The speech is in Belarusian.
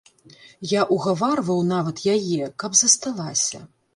Я ўгаварваў нават яе, каб засталася.